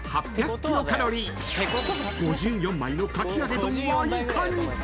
［５４枚のかき揚げ丼はいかに？］